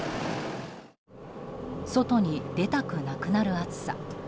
外に出たくなくなる暑さ。